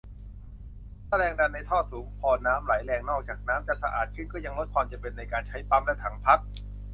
ถ้าแรงดันในท่อสูงพอ น้ำไหลแรง นอกจากน้ำจะสะอาดขึ้น ก็ยังลดความจำเป็นในการใช้ปั๊มและถังพัก